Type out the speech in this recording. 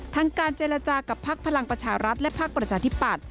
ทั้งการเจรจากับพักพลังประชารัฐและพักประชาธิปัตย